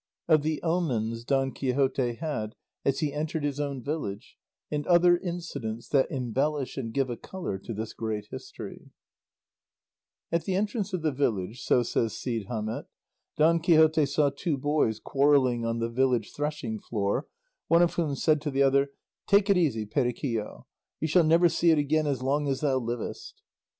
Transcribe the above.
OF THE OMENS DON QUIXOTE HAD AS HE ENTERED HIS OWN VILLAGE, AND OTHER INCIDENTS THAT EMBELLISH AND GIVE A COLOUR TO THIS GREAT HISTORY At the entrance of the village, so says Cide Hamete, Don Quixote saw two boys quarrelling on the village threshing floor, one of whom said to the other, "Take it easy, Periquillo; thou shalt never see it again as long as thou livest."